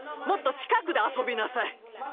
もっと近くで遊びなさい。